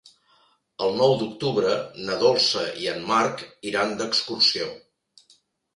El nou d'octubre na Dolça i en Marc iran d'excursió.